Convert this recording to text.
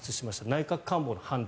内閣官房の判断。